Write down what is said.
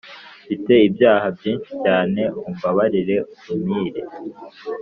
Mfite ibyaha byinshi cyane umbabarire umpire